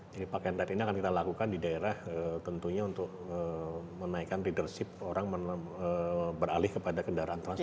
jadi park and ride ini akan kita lakukan di daerah tentunya untuk menaikkan leadership orang beralih kepada kendaraan transportasi